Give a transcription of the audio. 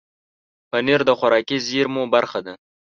پنېر د خوراکي زېرمو برخه ده.